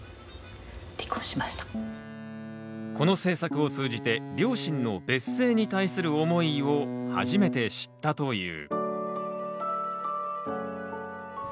この制作を通じて両親の別姓に対する思いを初めて知ったという。